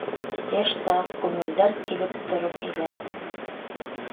Йәш саҡ, күңелдәр килеп тороп иләҫ.